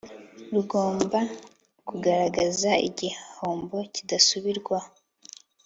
rugomba kugaragaza igihombo kidasubirwaho